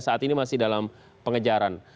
saat ini masih dalam pengejaran